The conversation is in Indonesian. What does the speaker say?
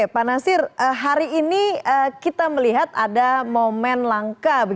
pak nasir hari ini kita melihat ada momen langka